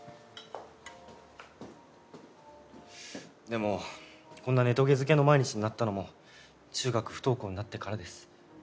でもこんなネトゲ漬けの毎日になったのも中学不登校になってからです。